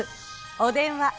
お電話